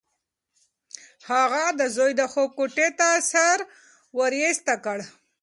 هغې د زوی د خوب کوټې ته سر ورایسته کړ.